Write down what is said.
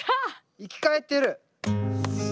生き返ってる！